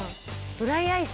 ドライアイス？